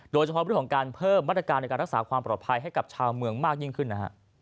โดยเฉพาะเรื่องของการเพิ่มมาตรการในการรักษาความปลอดภัยให้กับชาวเมืองมากยิ่งขึ้นนะฮะ